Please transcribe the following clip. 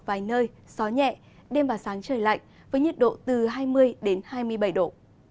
vài nơi gió nhẹ đêm và sáng trời lạnh với nhiệt độ từ hai mươi đến hai mươi bảy độ